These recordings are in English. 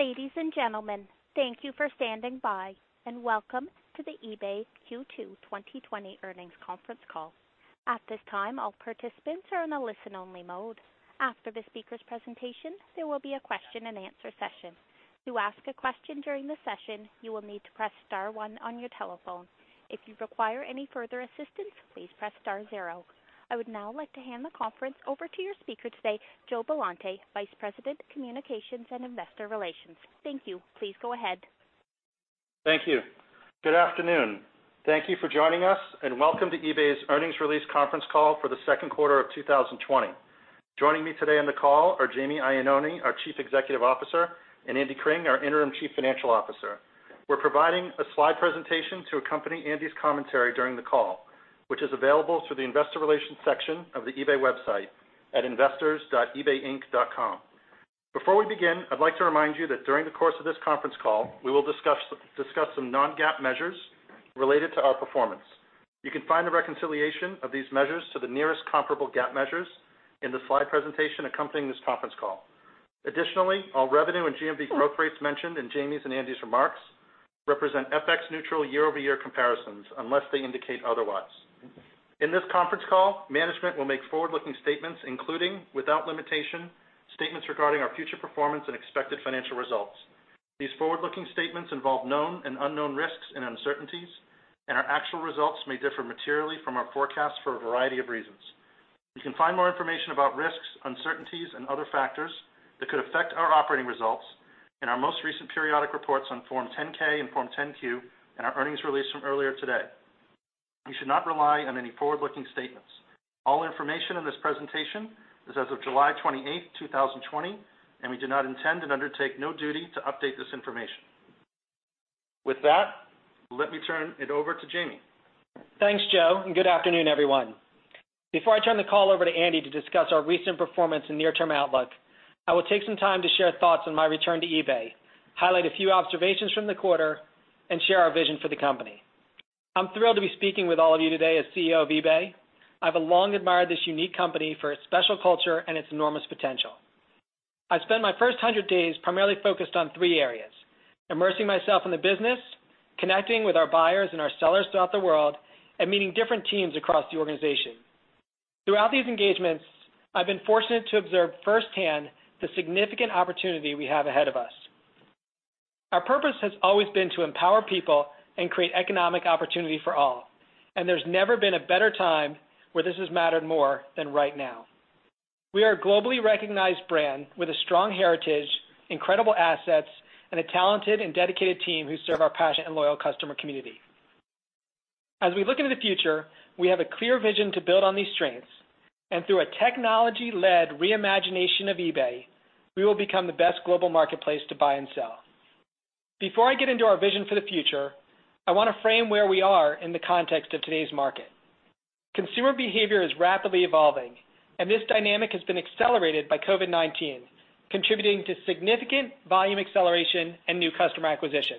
Ladies and gentlemen, thank you for standing by, and welcome to the eBay Q2 2020 earnings conference call. At this time, all participants are in a listen-only mode. After the speakers' presentation, there will be a question-and-answer session. To ask a question during the session, you will need to press star one on your telephone. If you require any further assistance, please press star zero. I would now like to hand the conference over to your speaker today, Joe Billante, Vice President of Communications and Investor Relations. Thank you. Please go ahead. Thank you. Good afternoon. Thank you for joining us, and welcome to eBay's earnings release conference call for the second quarter of 2020. Joining me today on the call are Jamie Iannone, our Chief Executive Officer, and Andy Cring, our interim Chief Financial Officer. We're providing a slide presentation to accompany Andy's commentary during the call, which is available through the investor relations section of the eBay website at investors.ebayinc.com. Before we begin, I'd like to remind you that during the course of this conference call, we will discuss some non-GAAP measures related to our performance. You can find a reconciliation of these measures to the nearest comparable GAAP measures in the slide presentation accompanying this conference call. Additionally, all revenue and GMV growth rates mentioned in Jamie's and Andy's remarks represent FX-neutral year-over-year comparisons unless they indicate otherwise. In this conference call, management will make forward-looking statements, including without limitation, statements regarding our future performance and expected financial results. These forward-looking statements involve known and unknown risks and uncertainties, and our actual results may differ materially from our forecasts for a variety of reasons. You can find more information about risks, uncertainties, and other factors that could affect our operating results in our most recent periodic reports on Form 10-K and Form 10-Q and our earnings release from earlier today. You should not rely on any forward-looking statements. All information in this presentation is as of July 28, 2020, and we do not intend and undertake no duty to update this information. With that, let me turn it over to Jamie. Thanks, Joe. Good afternoon, everyone. Before I turn the call over to Andy to discuss our recent performance and near-term outlook, I will take some time to share thoughts on my return to eBay, highlight a few observations from the quarter, and share our vision for the company. I'm thrilled to be speaking with all of you today as CEO of eBay. I've long admired this unique company for its special culture and its enormous potential. I've spent my first 100 days primarily focused on three areas: immersing myself in the business, connecting with our buyers and our sellers throughout the world, and meeting different teams across the organization. Throughout these engagements, I've been fortunate to observe firsthand the significant opportunity we have ahead of us. Our purpose has always been to empower people and create economic opportunity for all, and there's never been a better time where this has mattered more than right now. We are a globally recognized brand with a strong heritage, incredible assets, and a talented and dedicated team who serve our passionate and loyal customer community. As we look into the future, we have a clear vision to build on these strengths, and through a technology-led re-imagination of eBay, we will become the best global marketplace to buy and sell. Before I get into our vision for the future, I wanna frame where we are in the context of today's market. Consumer behavior is rapidly evolving, and this dynamic has been accelerated by COVID-19, contributing to significant volume acceleration and new customer acquisition.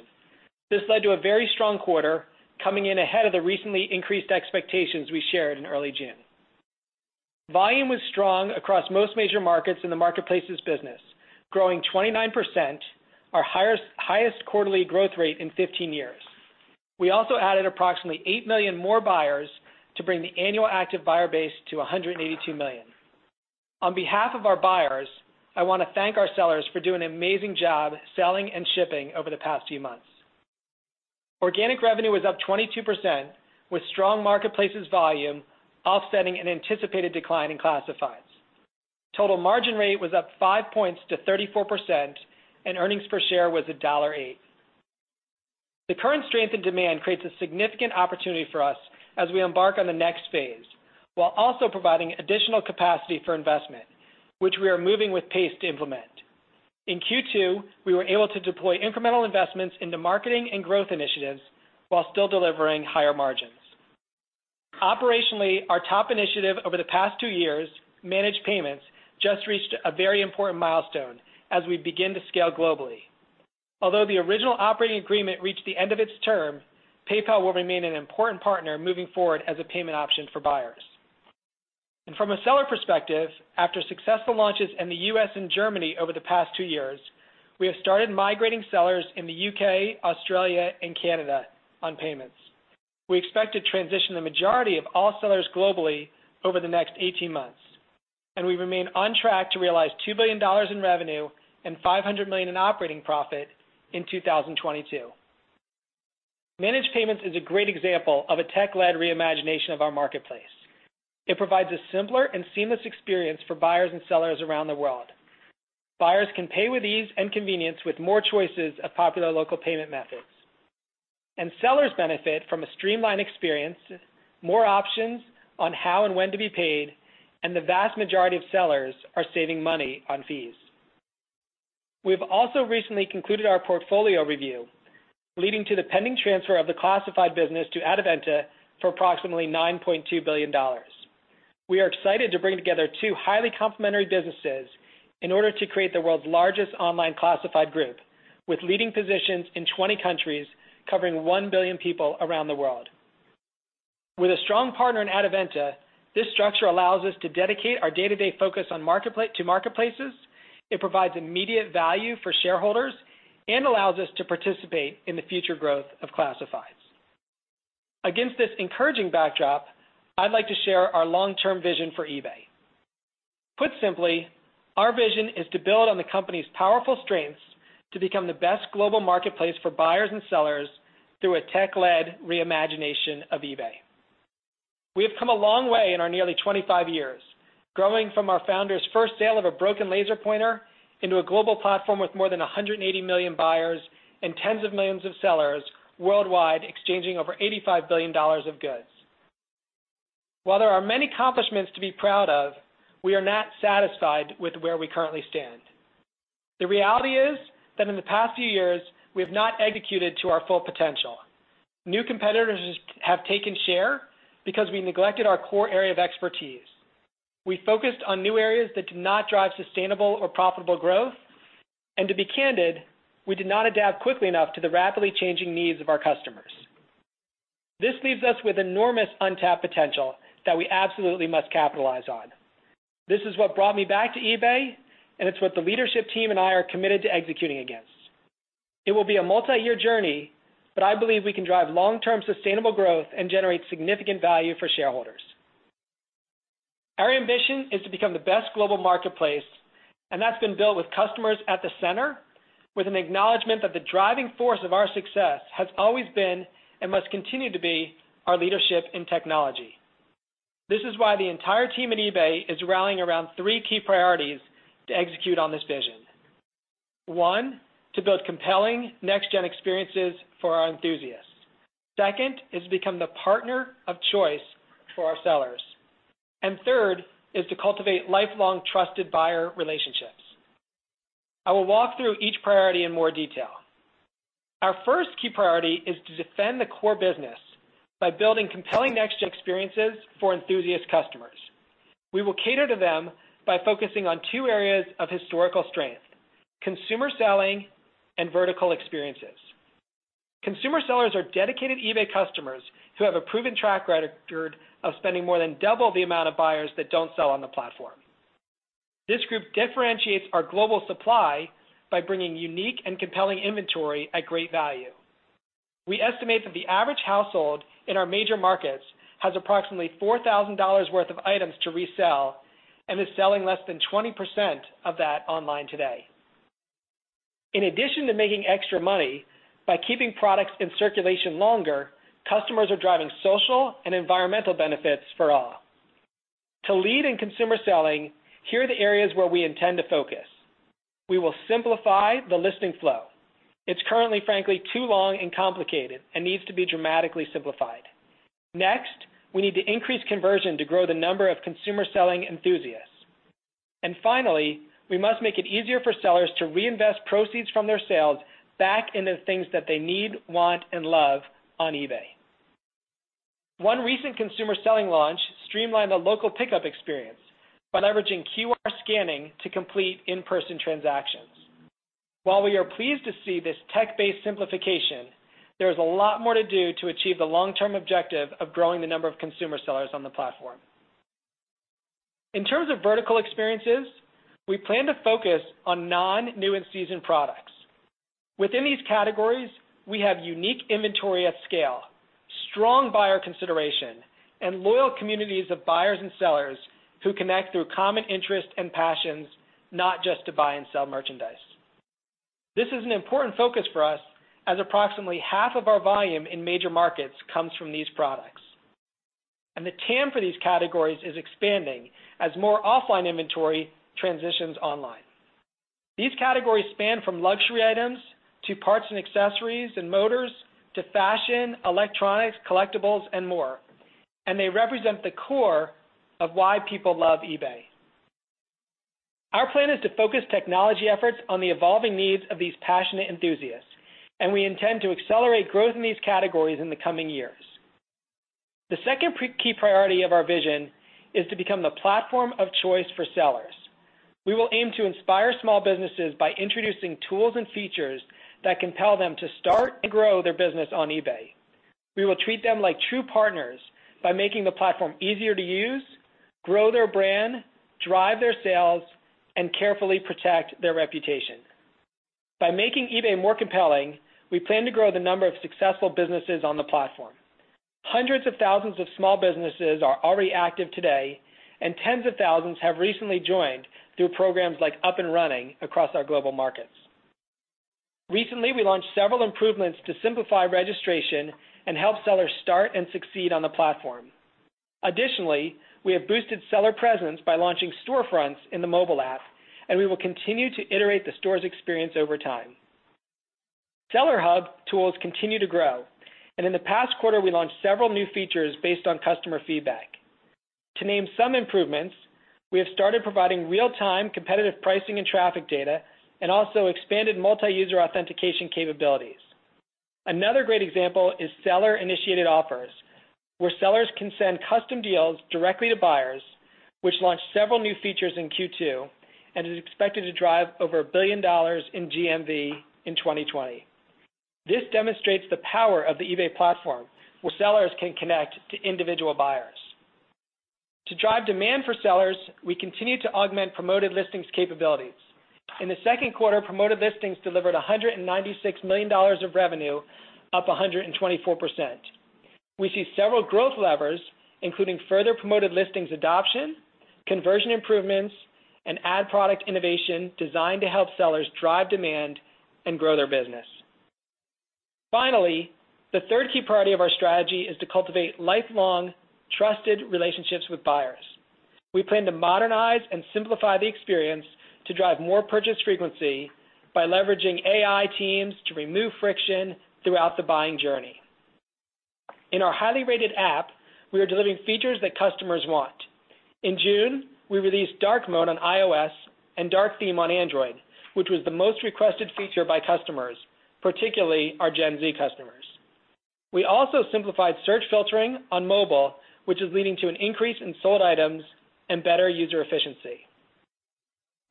This led to a very strong quarter coming in ahead of the recently increased expectations we shared in early June. Volume was strong across most major markets in the Marketplaces business, growing 29%, our highest quarterly growth rate in 15 years. We also added approximately 8 million more buyers to bring the annual active buyer base to 182 million. On behalf of our buyers, I wanna thank our sellers for doing an amazing job selling and shipping over the past few months. Organic revenue was up 22%, with strong Marketplaces volume offsetting an anticipated decline in Classifieds. Total margin rate was up 5 percentage points to 34%, and earnings per share was $1.08. The current strength in demand creates a significant opportunity for us as we embark on the next phase, while also providing additional capacity for investment, which we are moving with pace to implement. In Q2, we were able to deploy incremental investments into marketing and growth initiatives while still delivering higher margins. Operationally, our top initiative over the past two years, Managed Payments, just reached a very important milestone as we begin to scale globally. Although the original operating agreement reached the end of its term, PayPal will remain an important partner moving forward as a payment option for buyers. From a seller perspective, after successful launches in the U.S. and Germany over the past two years, we have started migrating sellers in the U.K., Australia, and Canada on payments. We expect to transition the majority of all sellers globally over the next 18 months. We remain on track to realize $2 billion in revenue and $500 million in operating profit in 2022. Managed Payments is a great example of a tech-led re-imagination of our marketplace. It provides a simpler and seamless experience for buyers and sellers around the world. Buyers can pay with ease and convenience with more choices of popular local payment methods. Sellers benefit from a streamlined experience, more options on how and when to be paid, and the vast majority of sellers are saving money on fees. We've also recently concluded our portfolio review, leading to the pending transfer of the Classifieds business to Adevinta for approximately $9.2 billion. We are excited to bring together two highly complimentary businesses in order to create the world's largest online classified group, with leading positions in 20 countries, covering 1 billion people around the world. With a strong partner in Adevinta, this structure allows us to dedicate our day-to-day focus to marketplaces, it provides immediate value for shareholders, and allows us to participate in the future growth of Classifieds. Against this encouraging backdrop, I'd like to share our long-term vision for eBay. Put simply, our vision is to build on the company's powerful strengths to become the best global marketplace for buyers and sellers through a tech-led re-imagination of eBay. We have come a long way in our nearly 25 years, growing from our founder's first sale of a broken laser pointer into a global platform with more than 180 million buyers and tens of millions of sellers worldwide, exchanging over $85 billion of goods. While there are many accomplishments to be proud of, we are not satisfied with where we currently stand. The reality is that in the past few years, we have not executed to our full potential. New competitors have taken share because we neglected our core area of expertise. We focused on new areas that did not drive sustainable or profitable growth, and to be candid, we did not adapt quickly enough to the rapidly changing needs of our customers. This leaves us with enormous untapped potential that we absolutely must capitalize on. This is what brought me back to eBay, and it's what the leadership team and I are committed to executing against. It will be a multi-year journey, but I believe we can drive long-term sustainable growth and generate significant value for shareholders. Our ambition is to become the best global marketplace, and that's been built with customers at the center with an acknowledgement that the driving force of our success has always been, and must continue to be, our leadership in technology. This is why the entire team at eBay is rallying around three key priorities to execute on this vision. One, to build compelling next-gen experiences for our enthusiasts. Second is to become the partner of choice for our sellers. Third is to cultivate lifelong trusted buyer relationships. I will walk through each priority in more detail. Our first key priority is to defend the core business by building compelling next-gen experiences for enthusiast customers. We will cater to them by focusing on two areas of historical strength: consumer selling and vertical experiences. Consumer sellers are dedicated eBay customers who have a proven track record of spending more than double the amount of buyers that don't sell on the platform. This group differentiates our global supply by bringing unique and compelling inventory at great value. We estimate that the average household in our major markets has approximately $4,000 worth of items to resell and is selling less than 20% of that online today. In addition to making extra money, by keeping products in circulation longer, customers are driving social and environmental benefits for all. To lead in consumer selling, here are the areas where we intend to focus. We will simplify the listing flow. It's currently, frankly, too long and complicated and needs to be dramatically simplified. Next, we need to increase conversion to grow the number of consumer-selling enthusiasts. Finally, we must make it easier for sellers to reinvest proceeds from their sales back into things that they need, want, and love on eBay. One recent consumer selling launch streamlined the local pickup experience by leveraging QR scanning to complete in-person transactions. While we are pleased to see this tech-based simplification, there is a lot more to do to achieve the long-term objective of growing the number of consumer sellers on the platform. In terms of vertical experiences, we plan to focus on non-new and seasoned products. Within these categories, we have unique inventory at scale, strong buyer consideration, and loyal communities of buyers and sellers who connect through common interests and passions, not just to buy and sell merchandise. This is an important focus for us, as approximately half of our volume in major markets comes from these products. The TAM for these categories is expanding as more offline inventory transitions online. These categories span from luxury items to parts and accessories and motors, to fashion, electronics, collectibles, and more, and they represent the core of why people love eBay. Our plan is to focus technology efforts on the evolving needs of these passionate enthusiasts, and we intend to accelerate growth in these categories in the coming years. The second key priority of our vision is to become the platform of choice for sellers. We will aim to inspire small businesses by introducing tools and features that compel them to start and grow their business on eBay. We will treat them like true partners by making the platform easier to use, grow their brand, drive their sales, and carefully protect their reputation. By making eBay more compelling, we plan to grow the number of successful businesses on the platform. Hundreds of thousands of small businesses are already active today, and tens of thousands have recently joined through programs like Up & Running across our global markets. Recently, we launched several improvements to simplify registration and help sellers start and succeed on the platform. Additionally, we have boosted seller presence by launching storefronts in the mobile app, and we will continue to iterate the stores experience over time. Seller Hub tools continue to grow, and in the past quarter, we launched several new features based on customer feedback. To name some improvements, we have started providing real-time competitive pricing and traffic data and also expanded multi-user authentication capabilities. Another great example is seller-initiated offers, where sellers can send custom deals directly to buyers, which launched several new features in Q2, and is expected to drive over $1 billion in GMV in 2020. This demonstrates the power of the eBay platform, where sellers can connect to individual buyers. To drive demand for sellers, we continue to augment Promoted Listings capabilities. In the second quarter, Promoted Listings delivered $196 million of revenue, up 124%. We see several growth levers, including further Promoted Listings adoption, conversion improvements, and ad product innovation designed to help sellers drive demand and grow their business. Finally, the third key priority of our strategy is to cultivate lifelong trusted relationships with buyers. We plan to modernize and simplify the experience to drive more purchase frequency by leveraging AI teams to remove friction throughout the buying journey. In our highly rated app, we are delivering features that customers want. In June, we released dark mode on iOS and dark theme on Android, which was the most requested feature by customers, particularly our Gen Z customers. We also simplified search filtering on mobile, which is leading to an increase in sold items and better user efficiency.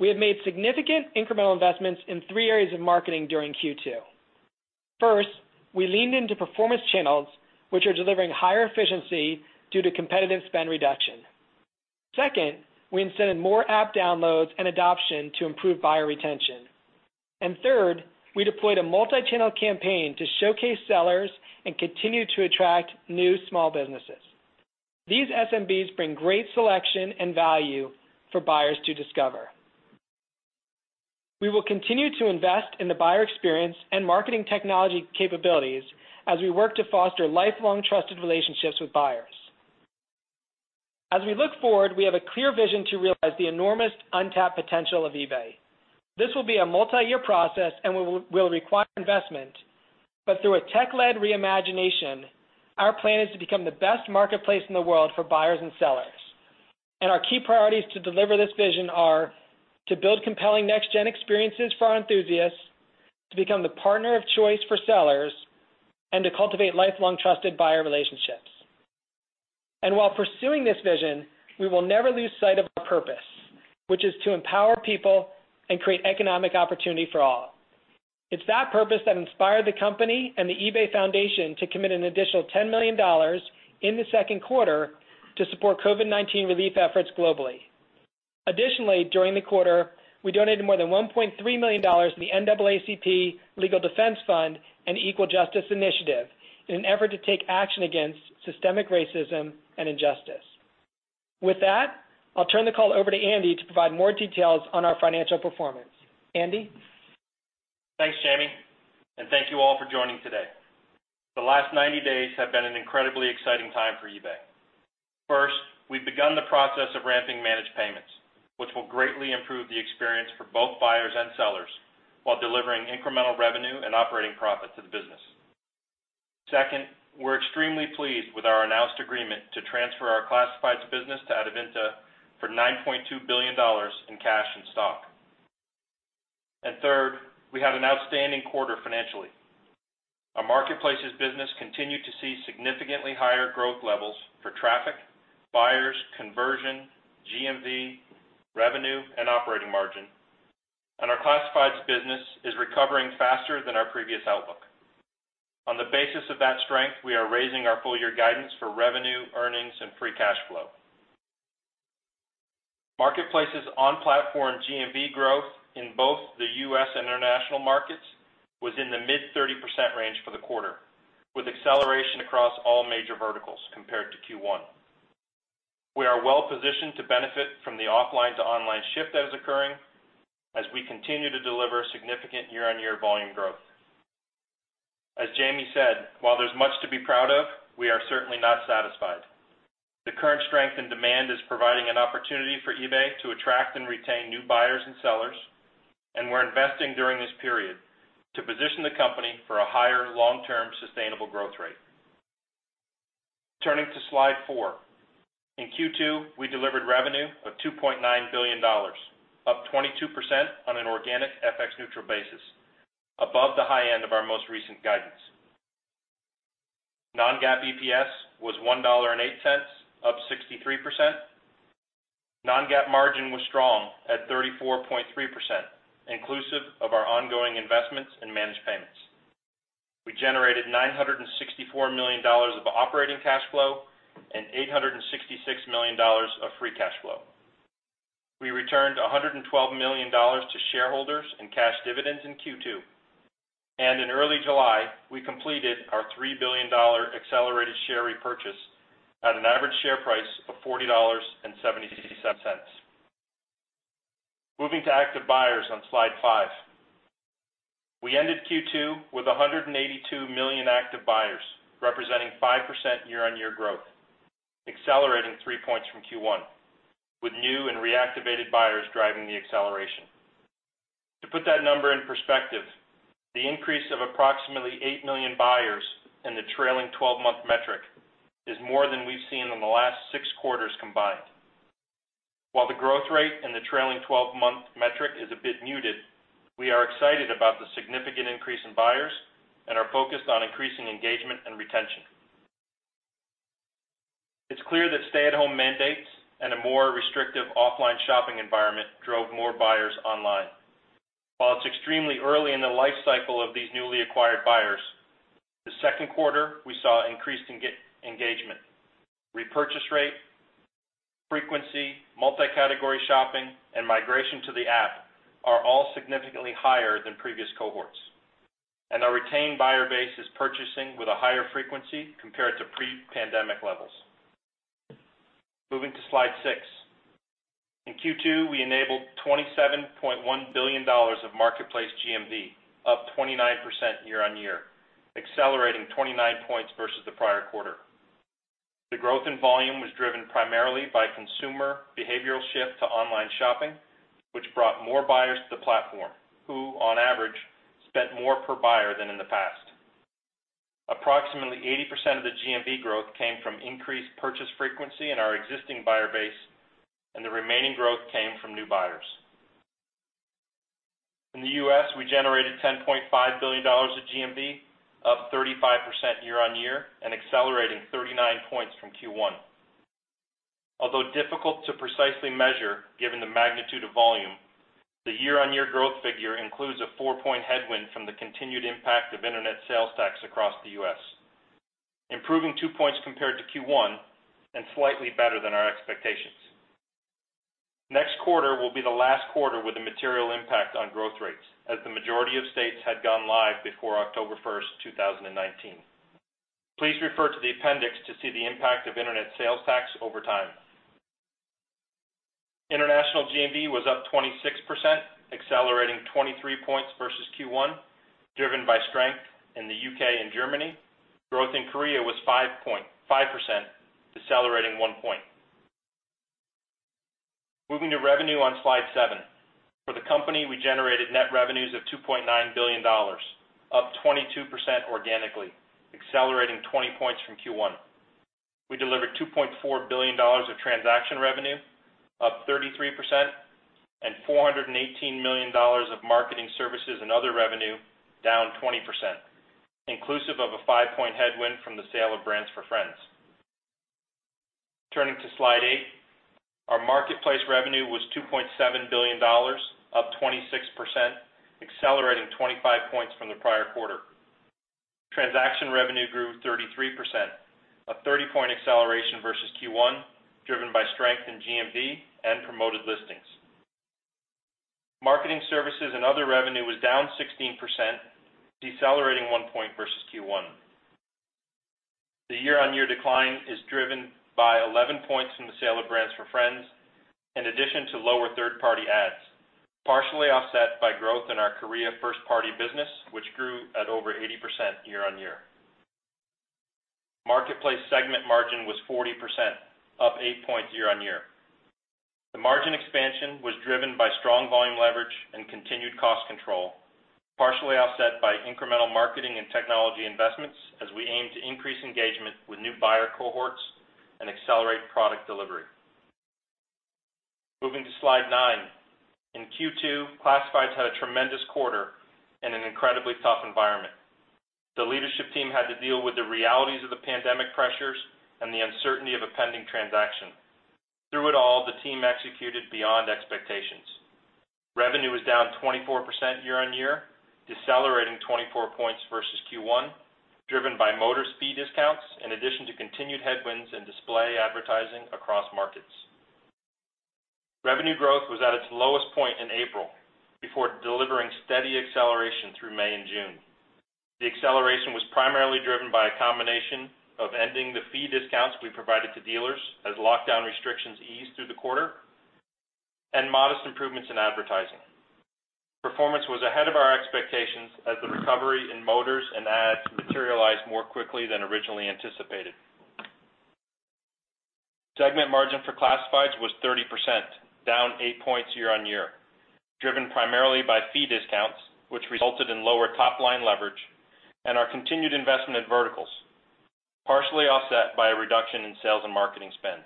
We have made significant incremental investments in three areas of marketing during Q2. First, we leaned into performance channels, which are delivering higher efficiency due to competitive spend reduction. Second, we incented more app downloads and adoption to improve buyer retention. Third, we deployed a multi-channel campaign to showcase sellers and continue to attract new small businesses. These SMBs bring great selection and value for buyers to discover. We will continue to invest in the buyer experience and marketing technology capabilities as we work to foster lifelong trusted relationships with buyers. As we look forward, we have a clear vision to realize the enormous untapped potential of eBay. This will be a multi-year process and will require investment. Through a tech-led reimagination, our plan is to become the best marketplace in the world for buyers and sellers. Our key priorities to deliver this vision are to build compelling next-gen experiences for our enthusiasts, to become the partner of choice for sellers, and to cultivate lifelong trusted buyer relationships. While pursuing this vision, we will never lose sight of our purpose, which is to empower people and create economic opportunity for all. It's that purpose that inspired the company and the eBay Foundation to commit an additional $10 million in the second quarter to support COVID-19 relief efforts globally. Additionally, during the quarter, we donated more than $1.3 million to the NAACP Legal Defense Fund and Equal Justice Initiative in an effort to take action against systemic racism and injustice. With that, I'll turn the call over to Andy to provide more details on our financial performance. Andy? Thanks, Jamie. Thank you all for joining today. The last 90 days have been an incredibly exciting time for eBay. First, we've begun the process of ramping Managed Payments, which will greatly improve the experience for both buyers and sellers while delivering incremental revenue and operating profit to the business. Second, we're extremely pleased with our announced agreement to transfer our classifieds business to Adevinta for $9.2 billion in cash and stock. Third, we had an outstanding quarter financially. Our marketplaces business continued to see significantly higher growth levels for traffic, buyers, conversion, GMV, revenue, and operating margin. Our classifieds business is recovering faster than our previous outlook. On the basis of that strength, we are raising our full year guidance for revenue, earnings, and free cash flow. Marketplaces on platform GMV growth in both the U.S. and international markets was in the mid-30% range for the quarter, with acceleration across all major verticals compared to Q1. We are well-positioned to benefit from the offline to online shift that is occurring as we continue to deliver significant year-on-year volume growth. As Jamie said, while there's much to be proud of, we are certainly not satisfied. The current strength and demand is providing an opportunity for eBay to attract and retain new buyers and sellers, and we're investing during this period to position the company for a higher long-term sustainable growth rate. Turning to slide 4. In Q2, we delivered revenue of $2.9 billion, up 22% on an organic FX-neutral basis, above the high end of our most recent guidance. Non-GAAP EPS was $1.08, up 63%. Non-GAAP margin was strong at 34.3%, inclusive of our ongoing investments in Managed Payments. We generated $964 million of operating cash flow and $866 million of free cash flow. We returned $112 million to shareholders in cash dividends in Q2. In early July, we completed our $3 billion accelerated share repurchase at an average share price of $40.77. Moving to active buyers on slide 5. We ended Q2 with 182 million active buyers, representing 5% year-on-year growth, accelerating 3 percentage points from Q1, with new and reactivated buyers driving the acceleration. To put that number in perspective, the increase of approximately 8 million buyers in the trailing 12-month metric is more than we've seen in the last 6 quarters combined. While the growth rate in the trailing 12-month metric is a bit muted. We are excited about the significant increase in buyers and are focused on increasing engagement and retention. It's clear that stay-at-home mandates and a more restrictive offline shopping environment drove more buyers online. While it's extremely early in the life cycle of these newly acquired buyers, the second quarter, we saw increased engagement, repurchase rate, frequency, multi-category shopping, and migration to the app are all significantly higher than previous cohorts. Our retained buyer base is purchasing with a higher frequency compared to pre-pandemic levels. Moving to slide 6. In Q2, we enabled $27.1 billion of marketplace GMV, up 29% year-on-year, accelerating 29 percentage points versus the prior quarter. The growth in volume was driven primarily by consumer behavioral shift to online shopping, which brought more buyers to the platform, who on average, spent more per buyer than in the past. Approximately 80% of the GMV growth came from increased purchase frequency in our existing buyer base, and the remaining growth came from new buyers. In the U.S., we generated $10.5 billion of GMV, up 35% year-on-year, and accelerating 39 percentage points from Q1. Although difficult to precisely measure, given the magnitude of volume, the year-on-year growth figure includes a 4-percentage-point headwind from the continued impact of internet sales tax across the U.S., improving 2 percentage points compared to Q1 and slightly better than our expectations. Next quarter will be the last quarter with a material impact on growth rates, as the majority of states had gone live before October 1, 2019. Please refer to the appendix to see the impact of internet sales tax over time. International GMV was up 26%, accelerating 23 percentage points versus Q1, driven by strength in the U.K. and Germany. Growth in Korea was 5%, decelerating 1 percentage point. Moving to revenue on slide 7. For the company, we generated net revenues of $2.9 billion, up 22% organically, accelerating 20 percentage points from Q1. We delivered $2.4 billion of transaction revenue, up 33%, and $418 million of marketing services and other revenue down 20%, inclusive of a 5-percentage-point headwind from the sale of brands4friends. Turning to slide 8. Our Marketplace revenue was $2.7 billion, up 26%, accelerating 25 percentage points from the prior quarter. Transaction revenue grew 33%, a 30-percentage-point acceleration versus Q1, driven by strength in GMV and Promoted Listings. Marketing services and other revenue was down 16%, decelerating 1 point versus Q1. The year-on-year decline is driven by 11 percentage points from the sale of brands4friends, in addition to lower third-party ads, partially offset by growth in our Korea first party business, which grew at over 80% year-on-year. Marketplace segment margin was 40%, up 8 percentage points year-on-year. The margin expansion was driven by strong volume leverage and continued cost control, partially offset by incremental marketing and technology investments as we aim to increase engagement with new buyer cohorts and accelerate product delivery. Moving to slide 9. In Q2, Classifieds had a tremendous quarter and an incredibly tough environment. The leadership team had to deal with the realities of the pandemic pressures and the uncertainty of a pending transaction. Through it all, the team executed beyond expectations. Revenue was down 24% year-on-year, decelerating 24 percentage points versus Q1, driven by motor fee discounts, in addition to continued headwinds in display advertising across markets. Revenue growth was at its lowest point in April before delivering steady acceleration through May and June. The acceleration was primarily driven by a combination of ending the fee discounts we provided to dealers as lockdown restrictions eased through the quarter, and modest improvements in advertising. Performance was ahead of our expectations as the recovery in motors and ads materialized more quickly than originally anticipated. Segment margin for Classifieds was 30%, down 8 percentage points year-over-year, driven primarily by fee discounts, which resulted in lower top-line leverage and our continued investment in verticals, partially offset by a reduction in sales and marketing spend.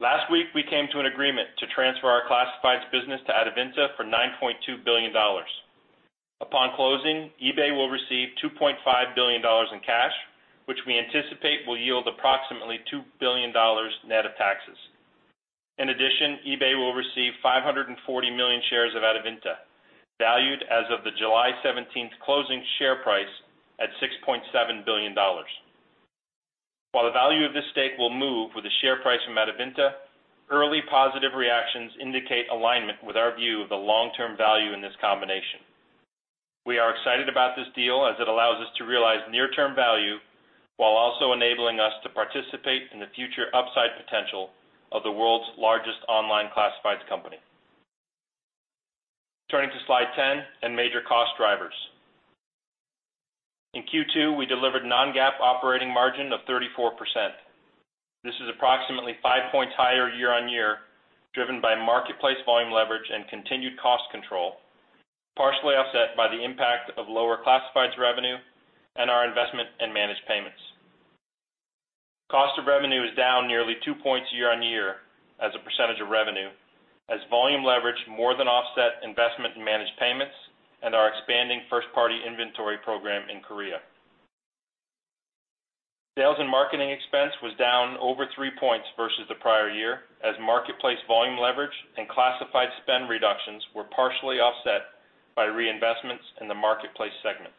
Last week, we came to an agreement to transfer our Classifieds business to Adevinta for $9.2 billion. Upon closing, eBay will receive $2.5 billion in cash, which we anticipate will yield approximately $2 billion net of taxes. In addition, eBay will receive 540 million shares of Adevinta, valued as of the July 17 closing share price at $6.7 billion. While the value of this stake will move with the share price from Adevinta, early positive reactions indicate alignment with our view of the long-term value in this combination. We are excited about this deal as it allows us to realize near-term value while also enabling us to participate in the future upside potential of the world's largest online Classifieds company. Turning to slide 10 and major cost drivers. In Q2, we delivered non-GAAP operating margin of 34%. This is approximately 5 percentage points higher year-on-year, driven by marketplace volume leverage and continued cost control, partially offset by the impact of lower Classifieds revenue and our investment in Managed Payments. Cost of revenue is down nearly 2 percentage points year-on-year as a percentage of revenue, as volume leverage more than offset investment in Managed Payments and our expanding first party inventory program in Korea. Sales and marketing expense was down over 3 percentage points versus the prior year as marketplace volume leverage and Classifieds spend reductions were partially offset by reinvestments in the marketplace segment.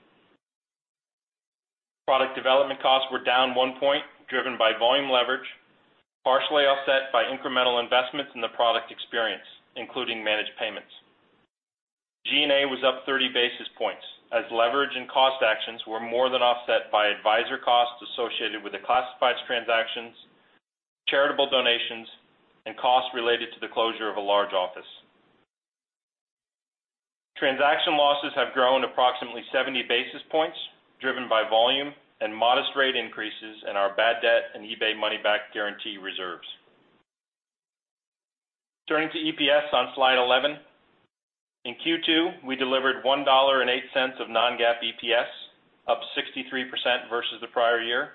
Product development costs were down 1 percentage point, driven by volume leverage, partially offset by incremental investments in the product experience, including Managed Payments. G&A was up 30 basis points as leverage and cost actions were more than offset by advisor costs associated with the Classifieds transactions, charitable donations, and costs related to the closure of a large office. Transaction losses have grown approximately 70 basis points, driven by volume and modest rate increases in our bad debt and eBay Money Back Guarantee reserves. Turning to EPS on slide 11. In Q2, we delivered $1.08 of non-GAAP EPS, up 63% versus the prior year,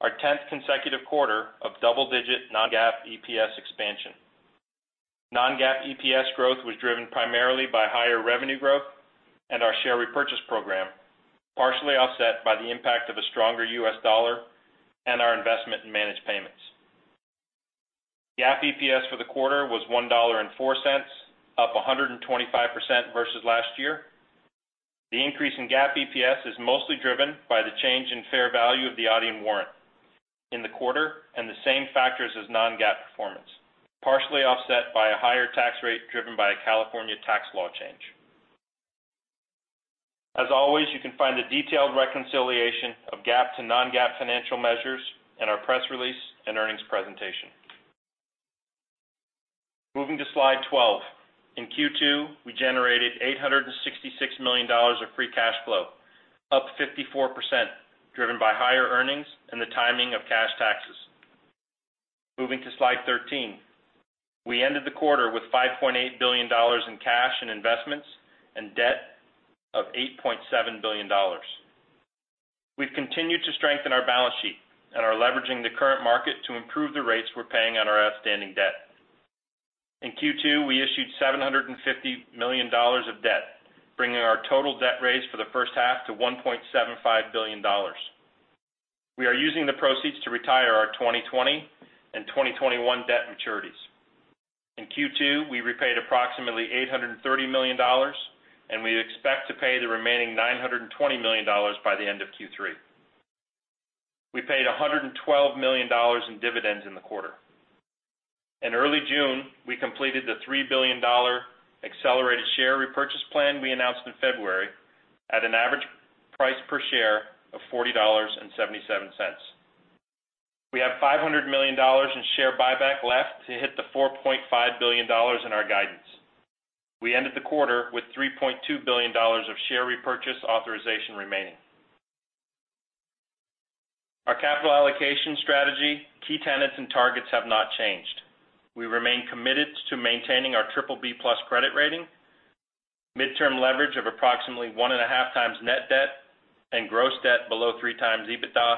our 10th consecutive quarter of double-digit non-GAAP EPS expansion. Non-GAAP EPS growth was driven primarily by higher revenue growth and our share repurchase program, partially offset by the impact of a stronger U.S. dollar and our investment in Managed Payments. GAAP EPS for the quarter was $1.04, up 125% versus last year. The increase in GAAP EPS is mostly driven by the change in fair value of the Adyen warrant in the quarter and the same factors as non-GAAP performance, partially offset by a higher tax rate driven by a California tax law change. As always, you can find a detailed reconciliation of GAAP to non-GAAP financial measures in our press release and earnings presentation. Moving to slide 12. In Q2, we generated $866 million of free cash flow, up 54% driven by higher earnings and the timing of cash taxes. Moving to slide 13. We ended the quarter with $5.8 billion in cash and investments and debt of $8.7 billion. We've continued to strengthen our balance sheet and are leveraging the current market to improve the rates we're paying on our outstanding debt. In Q2, we issued $750 million of debt, bringing our total debt raise for the first half to $1.75 billion. We are using the proceeds to retire our 2020 and 2021 debt maturities. In Q2, we repaid approximately $830 million, and we expect to pay the remaining $920 million by the end of Q3. We paid $112 million in dividends in the quarter. In early June, we completed the $3 billion accelerated share repurchase plan we announced in February at an average price per share of $40.77. We have $500 million in share buyback left to hit the $4.5 billion in our guidance. We ended the quarter with $3.2 billion of share repurchase authorization remaining. Our capital allocation strategy, key tenets, and targets have not changed. We remain committed to maintaining our BBB+ credit rating, midterm leverage of approximately 1.5x Net debt and gross debt below 3x EBITDA,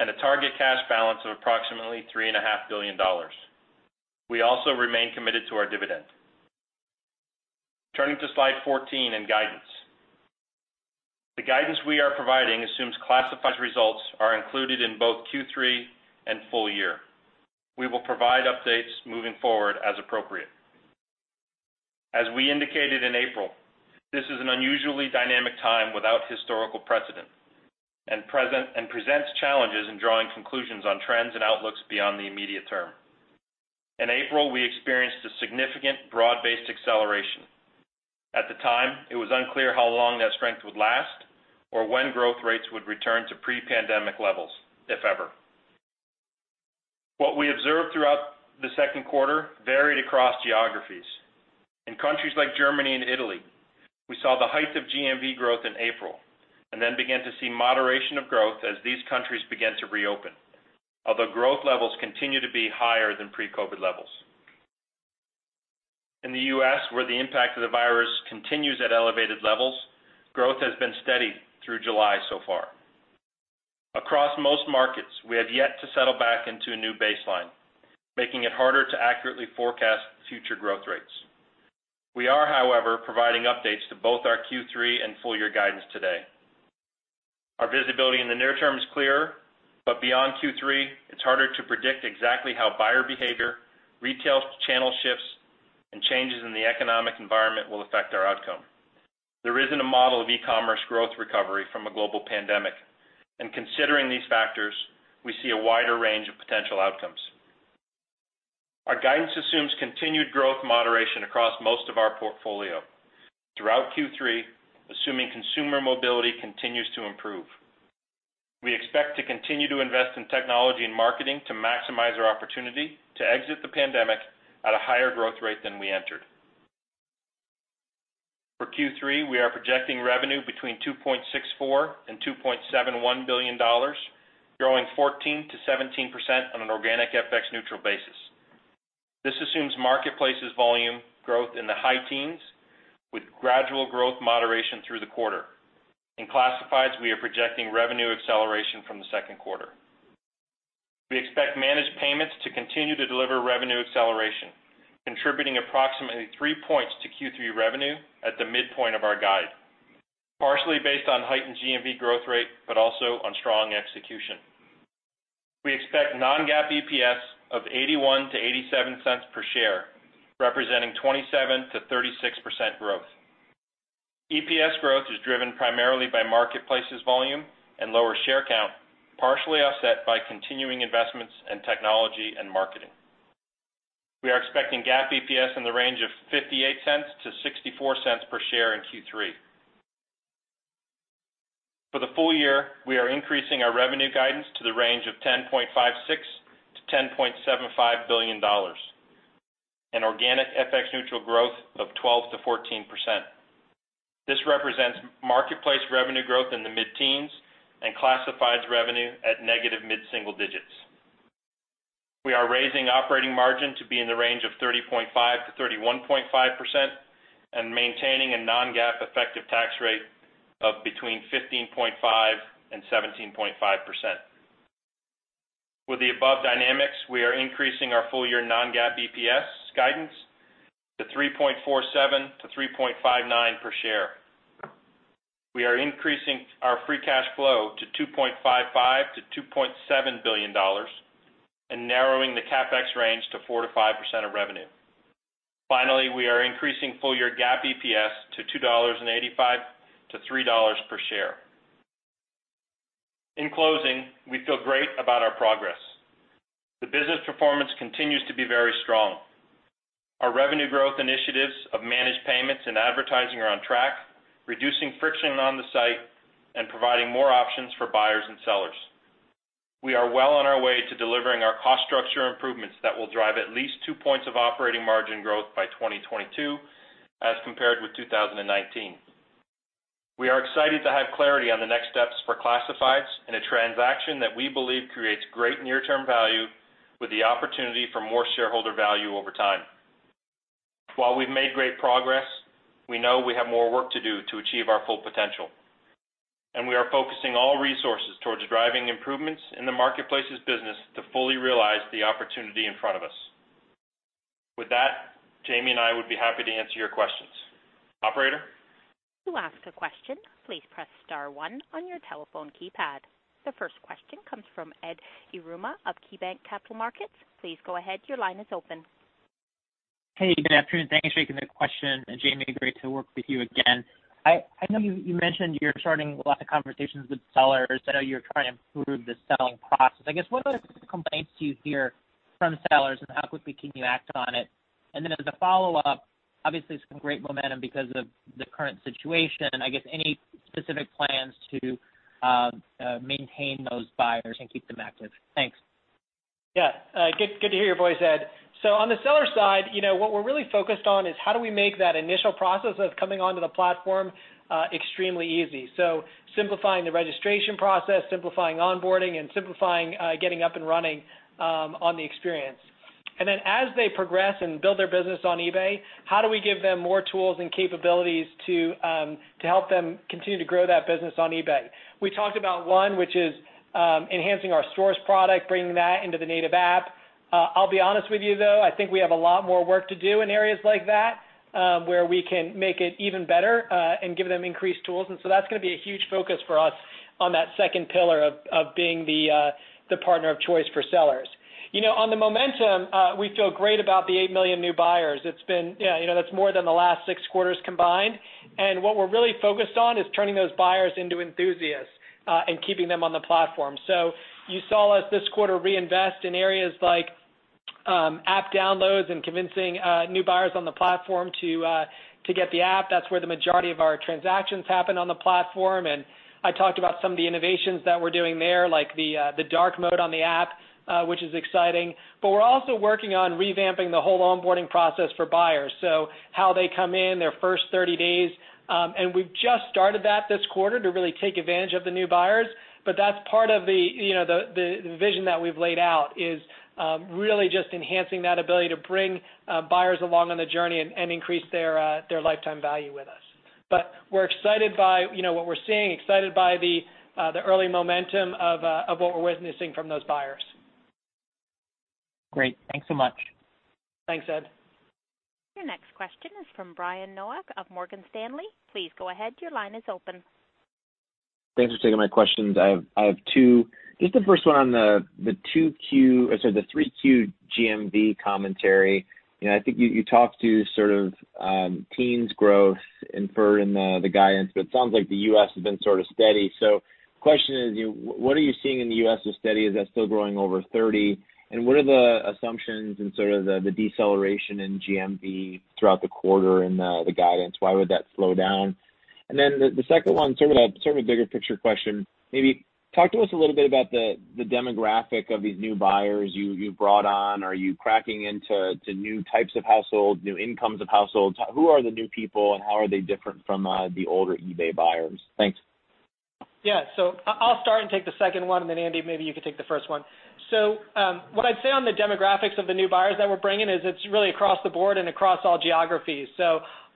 and a target cash balance of approximately $3.5 billion. We also remain committed to our dividend. Turning to slide 14 and guidance. The guidance we are providing assumes classified results are included in both Q3 and full year. We will provide updates moving forward as appropriate. As we indicated in April, this is an unusually dynamic time without historical precedent, and presents challenges in drawing conclusions on trends and outlooks beyond the immediate term. In April, we experienced a significant broad-based acceleration. At the time, it was unclear how long that strength would last or when growth rates would return to pre-pandemic levels, if ever. What we observed throughout the second quarter varied across geographies. In countries like Germany and Italy, we saw the heights of GMV growth in April and then began to see moderation of growth as these countries began to reopen. Although growth levels continue to be higher than pre-COVID-19 levels. In the U.S., where the impact of the virus continues at elevated levels, growth has been steady through July so far. Across most markets, we have yet to settle back into a new baseline, making it harder to accurately forecast future growth rates. We are, however, providing updates to both our Q3 and full year guidance today. Our visibility in the near-term is clear, but beyond Q3, it's harder to predict exactly how buyer behavior, retail channel shifts, and changes in the economic environment will affect our outcome. There isn't a model of e-commerce growth recovery from a global pandemic. Considering these factors, we see a wider range of potential outcomes. Our guidance assumes continued growth moderation across most of our portfolio. Throughout Q3, assuming consumer mobility continues to improve, we expect to continue to invest in technology and marketing to maximize our opportunity to exit the pandemic at a higher growth rate than we entered. For Q3, we are projecting revenue between $2.64 billion and $2.71 billion, growing 14%-17% on an organic FX-neutral basis. This assumes marketplace's volume growth in the high teens, gradual growth moderation through the quarter. In classifieds, we are projecting revenue acceleration from the second quarter. We expect Managed Payments to continue to deliver revenue acceleration, contributing approximately 3 percentage points to Q3 revenue at the midpoint of our guide, partially based on heightened GMV growth rate but also on strong execution. We expect non-GAAP EPS of 81 cents-87 cents per share, representing 27%-36% growth. EPS growth is driven primarily by marketplace's volume and lower share count, partially offset by continuing investments in technology and marketing. We are expecting GAAP EPS in the range of 58 cents-64 cents per share in Q3. For the full year, we are increasing our revenue guidance to the range of $10.56 billion-$10.75 billion, an organic FX-neutral growth of 12%-14%. This represents marketplace revenue growth in the mid-teens and classifieds revenue at negative mid-single digits. We are raising operating margin to be in the range of 30.5%-31.5% and maintaining a non-GAAP effective tax rate of between 15.5% and 17.5%. With the above dynamics, we are increasing our full-year non-GAAP EPS guidance to $3.47-$3.59 per share. We are increasing our free cash flow to $2.55 billion-$2.7 billion and narrowing the CapEx range to 4%-5% of revenue. We are increasing full-year GAAP EPS to $2.85-$3.00 per share. In closing, we feel great about our progress. The business performance continues to be very strong. Our revenue growth initiatives of Managed Payments and advertising are on track, reducing friction on the site and providing more options for buyers and sellers. We are well on our way to delivering our cost structure improvements that will drive at least 2 percentage points of operating margin growth by 2022 as compared with 2019. We are excited to have clarity on the next steps for Classifieds in a transaction that we believe creates great near-term value with the opportunity for more shareholder value over time. While we've made great progress, we know we have more work to do to achieve our full potential, and we are focusing all resources towards driving improvements in the marketplace's business to fully realize the opportunity in front of us. With that, Jamie and I would be happy to answer your questions. Operator. The first question comes from Edward Yruma of KeyBanc Capital Markets. Hey, good afternoon. Thanks for taking the question. Jamie, great to work with you again. I know you mentioned you're starting lots of conversations with sellers. I know you're trying to improve the selling process. I guess, what are the complaints you hear from sellers, and how quickly can you act on it? As a follow-up, obviously, some great momentum because of the current situation. I guess any specific plans to maintain those buyers and keep them active? Thanks. Yeah. Good to hear your voice, Edward. On the seller side, you know, what we're really focused on is how do we make that initial process of coming onto the platform extremely easy. Simplifying the registration process, simplifying onboarding, and simplifying getting up and running on the experience. As they progress and build their business on eBay, how do we give them more tools and capabilities to help them continue to grow that business on eBay? We talked about one, which is enhancing our source product, bringing that into the native app. I'll be honest with you, though, I think we have a lot more work to do in areas like that, where we can make it even better and give them increased tools. That's going to be a huge focus for us on that second pillar of being the partner of choice for sellers. You know, on the momentum, we feel great about the 8 million new buyers. You know, that's more than the last 6 quarters combined. What we're really focused on is turning those buyers into enthusiasts and keeping them on the platform. You saw us this quarter reinvest in areas like app downloads and convincing new buyers on the platform to get the app. That's where the majority of our transactions happen on the platform, and I talked about some of the innovations that we're doing there, like the dark mode on the app, which is exciting. We're also working on revamping the whole onboarding process for buyers, so how they come in, their first 30 days. We've just started that this quarter to really take advantage of the new buyers. That's part of the, you know, the vision that we've laid out, is really just enhancing that ability to bring buyers along on the journey and increase their lifetime value with us. We're excited by, you know, what we're seeing, excited by the early momentum of what we're witnessing from those buyers. Great. Thanks so much. Thanks, Ed. Your next question is from Brian Nowak of Morgan Stanley. Please go ahead. Your line is open. Thanks for taking my questions. I have two. The first one on the Q3 GMV commentary. You know, I think you talked to sort of teens growth inferred in the guidance, but it sounds like the U.S. has been sort of steady. Question is, you know, what are you seeing in the U.S. as steady? Is that still growing over 30%? What are the assumptions and sort of the deceleration in GMV throughout the quarter and the guidance, why would that slow down? The second one, sort of a bigger picture question, maybe talk to us a little bit about the demographic of these new buyers you brought on. Are you cracking into new types of households, new incomes of households? Who are the new people, and how are they different from the older eBay buyers? Thanks. Yeah. I'll start and take the second one, and then Andy, maybe you could take the first one. What I'd say on the demographics of the new buyers that we're bringing is it's really across the board and across all geographies.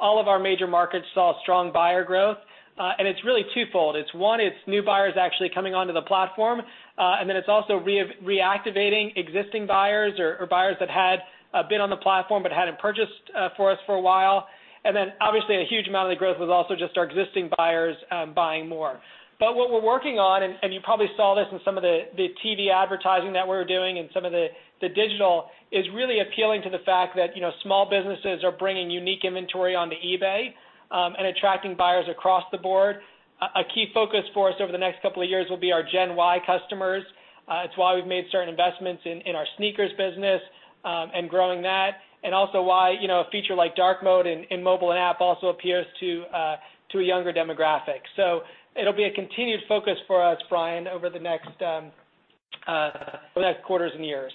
All of our major markets saw strong buyer growth, and it's really twofold. It's, one, it's new buyers actually coming onto the platform, and then it's also reactivating existing buyers or buyers that had been on the platform but hadn't purchased for us for a while. Obviously a huge amount of the growth was also just our existing buyers buying more. What we're working on, and you probably saw this in some of the TV advertising that we're doing and some of the digital, is really appealing to the fact that, you know, small businesses are bringing unique inventory onto eBay, and attracting buyers across the board. A key focus for us over the next couple of years will be our Gen Y customers. It's why we've made certain investments in our sneakers business, and growing that, and also why, you know, a feature like dark mode in mobile and app also appeals to a younger demographic. It'll be a continued focus for us, Brian, over the next quarters and years.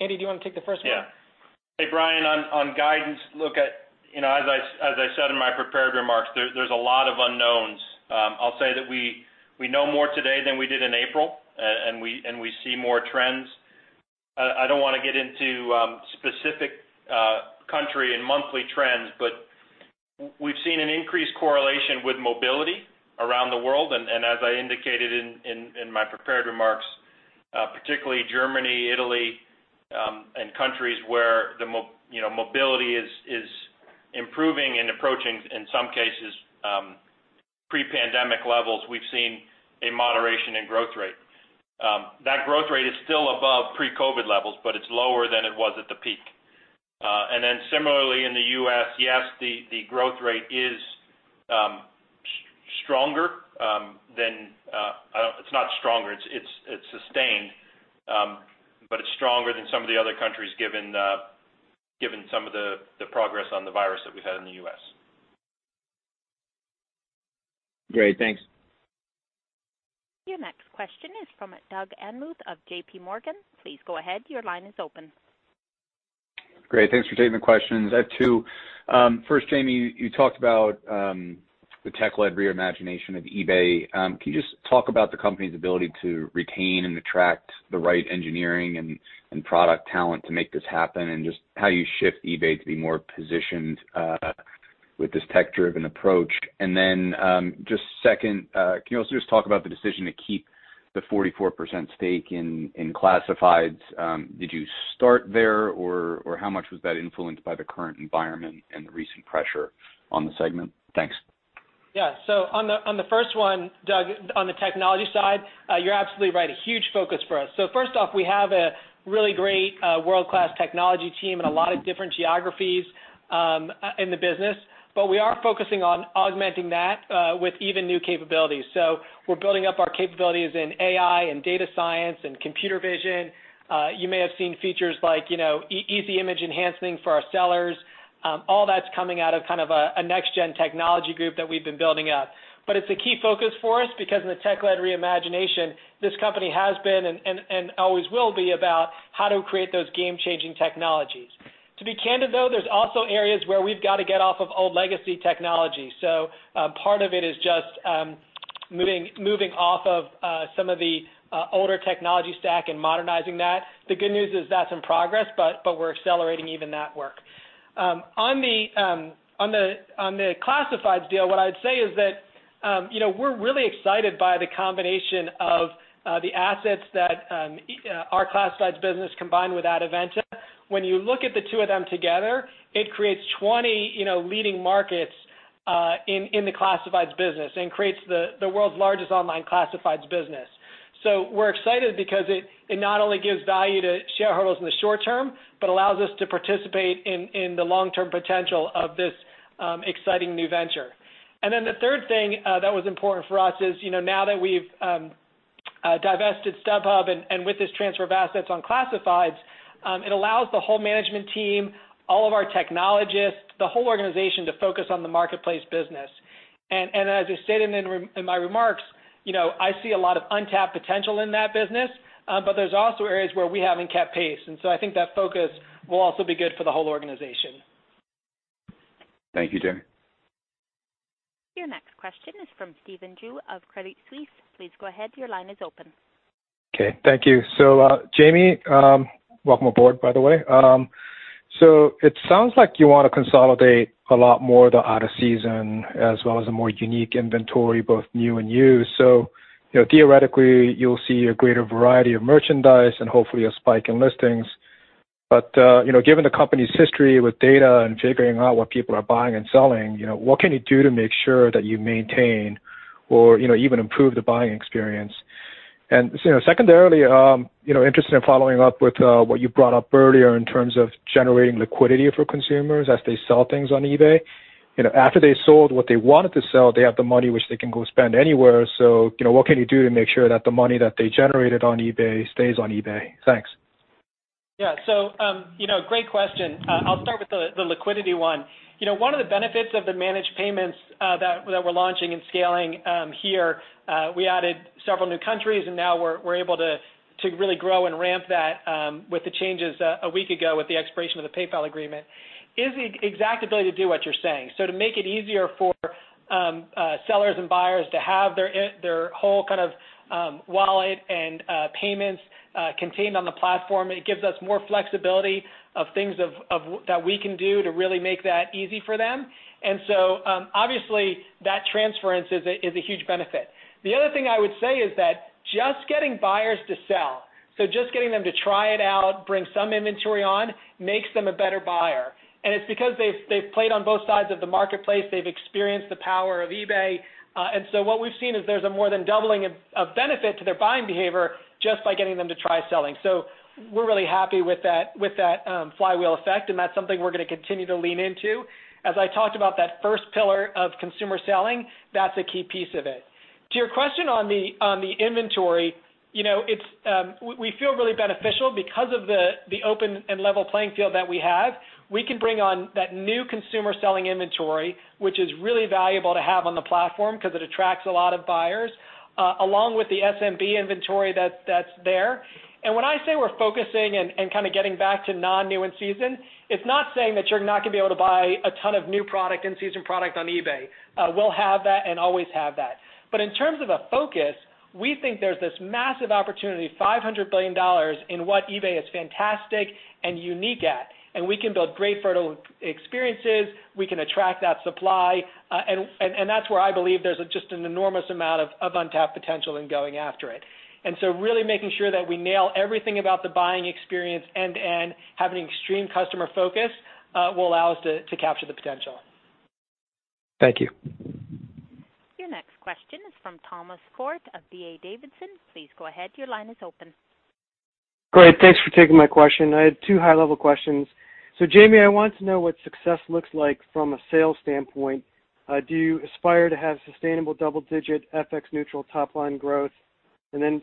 Andy, do you wanna take the first one? Yeah. Hey, Brian, on guidance, look at, you know, as I said in my prepared remarks, there's a lot of unknowns. I'll say that we know more today than we did in April, and we see more trends. I don't wanna get into specific country and monthly trends, but we've seen an increased correlation with mobility around the world. As I indicated in my prepared remarks, particularly Germany, Italy, and countries where you know, mobility is improving and approaching, in some cases, pre-pandemic levels, we've seen a moderation in growth rate. That growth rate is still above pre-COVID levels, but it's lower than it was at the peak. Similarly in the U.S., yes, the growth rate is stronger, it's not stronger, it's sustained, but it's stronger than some of the other countries given some of the progress on the virus that we've had in the U.S. Great. Thanks. Your next question is from Douglas Anmuth of JPMorgan. Please go ahead, your line is open. Great. Thanks for taking the questions. I have two. First, Jamie, you talked about the tech-led reimagination of eBay. Can you just talk about the company's ability to retain and attract the right engineering and product talent to make this happen, and just how you shift eBay to be more positioned with this tech-driven approach? Just second, can you also just talk about the decision to keep the 44% stake in Classifieds? Did you start there, or how much was that influenced by the current environment and the recent pressure on the segment? Thanks. On the first one, Doug, on the technology side, you're absolutely right, a huge focus for us. First off, we have a really great world-class technology team in a lot of different geographies in the business, but we are focusing on augmenting that with even new capabilities. We're building up our capabilities in AI and data science and computer vision. You may have seen features like, you know, Easy Image enhancing for our sellers. All that's coming out of kind of a next-gen technology group that we've been building up. It's a key focus for us because in the tech-led reimagination, this company has been and always will be about how to create those game-changing technologies. To be candid, though, there's also areas where we've got to get off of old legacy technology. Part of it is just moving off of some of the older technology stack and modernizing that. The good news is that's in progress, but we're accelerating even that work. On the Classifieds deal, what I'd say is that, you know, we're really excited by the combination of the assets that our Classifieds business combined with Adevinta. When you look at the two of them together, it creates 20 leading markets in the Classifieds business and creates the world's largest online Classifieds business. We're excited because it not only gives value to shareholders in the short term, but allows us to participate in the long-term potential of this exciting new venture. The third thing that was important for us is, you know, now that we've divested StubHub and with this transfer of assets on Classifieds, it allows the whole management team, all of our technologists, the whole organization to focus on the Marketplace business. As I stated in my remarks, you know, I see a lot of untapped potential in that business, but there's also areas where we haven't kept pace, and so I think that focus will also be good for the whole organization. Thank you, Jamie. Your next question is from Stephen Ju of Credit Suisse. Please go ahead, your line is open. Okay. Thank you. Jamie, welcome aboard, by the way. It sounds like you wanna consolidate a lot more of the out-of-season as well as the more unique inventory, both new and used. You know, theoretically, you'll see a greater variety of merchandise and hopefully a spike in listings. You know, given the company's history with data and figuring out what people are buying and selling, you know, what can you do to make sure that you maintain or, you know, even improve the buying experience? You know, secondarily, you know, interested in following up with what you brought up earlier in terms of generating liquidity for consumers as they sell things on eBay. You know, after they sold what they wanted to sell, they have the money which they can go spend anywhere. you know, what can you do to make sure that the money that they generated on eBay stays on eBay? Thanks. Yeah. You know, great question. I'll start with the liquidity one. You know, one of the benefits of the Managed Payments that we're launching and scaling here, we added several new countries, and now we're able to really grow and ramp that with the changes a week ago with the expiration of the PayPal agreement, is the exact ability to do what you're saying. To make it easier for sellers and buyers to have their whole kind of wallet and payments contained on the platform. It gives us more flexibility of things that we can do to really make that easy for them. Obviously, that transference is a huge benefit. The other thing I would say is that just getting buyers to sell, so just getting them to try it out, bring some inventory on, makes them a better buyer. It's because they've played on both sides of the marketplace, they've experienced the power of eBay. What we've seen is there's a more than doubling of benefit to their buying behavior just by getting them to try selling. We're really happy with that flywheel effect, and that's something we're going to continue to lean into. As I talked about that first pillar of consumer selling, that's a key piece of it. To your question on the inventory, you know, it's, we feel really beneficial because of the open and level playing field that we have. We can bring on that new consumer selling inventory, which is really valuable to have on the platform 'cause it attracts a lot of buyers, along with the SMB inventory that's there. When I say we're focusing and kind of getting back to non-new in-season, it's not saying that you're not gonna be able to buy a ton of new product, in-season product on eBay. We'll have that and always have that. In terms of a focus, we think there's this massive opportunity, $500 billion, in what eBay is fantastic and unique at, and we can build great fertile experiences, we can attract that supply. And that's where I believe there's just an enormous amount of untapped potential in going after it. Really making sure that we nail everything about the buying experience end-to-end, having extreme customer focus, will allow us to capture the potential. Thank you. Your next question is from Thomas Forte of D.A. Davidson. Please go ahead, your line is open. Great. Thanks for taking my question. I have two high-level questions. Jamie, I want to know what success looks like from a sales standpoint. Do you aspire to have sustainable double-digit FX-neutral top-line growth?